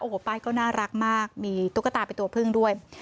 โอ้โหป้ายก็น่ารักมากมีตุ๊กตาเป็นตัวพึ่งด้วย